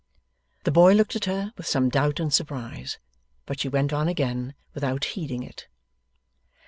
The boy looked at her with some doubt and surprise, but she went on again without heeding it.